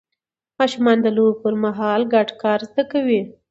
ماشومان د لوبو پر مهال ګډ کار زده کوي